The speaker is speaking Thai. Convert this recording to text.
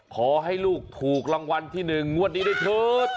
ขอให้ลูกถูกรางวัลที่หนึ่งวันนี้ได้เถิด